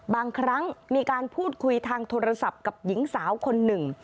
บางครั้งมีการพูดคุยทางโทรศัพท์กับหญิงสาวคนหนึ่ง